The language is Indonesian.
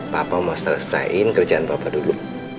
papa mau selesain kerjaan papa dulu